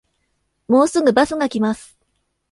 もうすぐバスが来ます